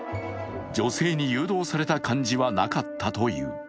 女性に誘導された感じはなかったという。